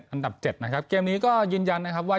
อันดับ๗นะครับเกมนี้ก็ยืนยันนะครับว่า